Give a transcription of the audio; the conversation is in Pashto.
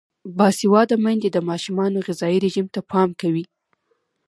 باسواده میندې د ماشومانو غذايي رژیم ته پام کوي.